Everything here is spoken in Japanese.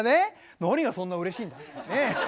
「何がそんなうれしいんだ？」。